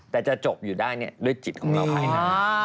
แต่จะจบอยู่ได้ด้วยจิตของเราภายหน้า